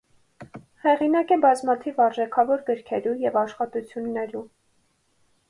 Հեղինակ է բազմաթիւ արժէքաւոր գիրքերու եւ աշխատութիւններու։